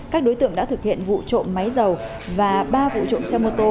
các đối tượng đã thực hiện vụ trộm máy dầu và ba vụ trộm xe mô tô